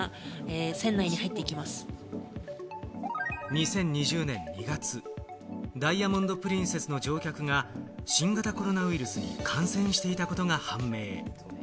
２０２０年２月、ダイヤモンド・プリンセスの乗客が新型コロナウイルスに感染していたことが判明。